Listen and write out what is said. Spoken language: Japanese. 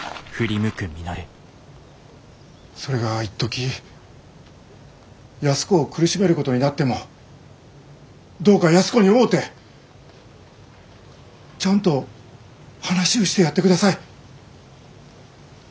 それが一時安子を苦しめることになってもどうか安子に会うてちゃんと話うしてやってください。